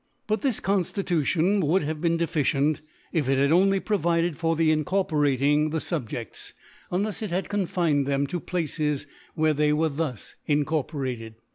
870* G But ( t22 ) But thisConftitution woirid have been de ficient, if it had only provided for the in corporating the Subjcfts, unlcfs ic had con fined them to the Places where they were thus incorporated.